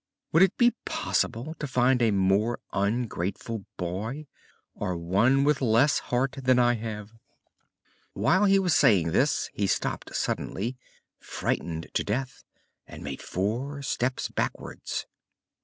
Would it be possible to find a more ungrateful boy, or one with less heart than I have?" Whilst he was saying this he stopped suddenly, frightened to death, and made four steps backwards.